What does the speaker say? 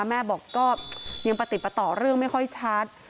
แม่บอกก็ยังประติดประต่อเรื่องไม่ค่อยชัด